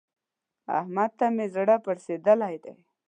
احمد ته مې زړه پړسېدلی دی.